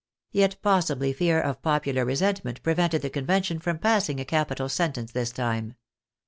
Yet possibly fear of popular resentment prevented the Convention from passing a capital sentence this time.